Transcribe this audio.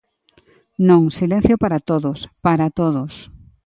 Non, silencio para todos, ¡para todos!